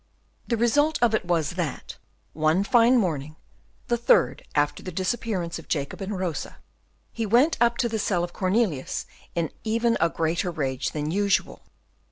The result of it was, that, one fine morning, the third after the disappearance of Jacob and Rosa, he went up to the cell of Cornelius in even a greater rage than usual.